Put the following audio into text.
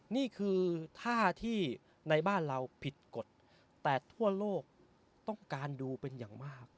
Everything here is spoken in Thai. นี่คือท่าที่ในบ้านเราผิดกฎแต่ทั่วโลกต้องการดูเป็นอย่างมาก